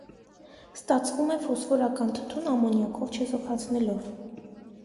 Ստացվում է ֆոսֆորական թթուն ամոնիակով չեզոքացնելով։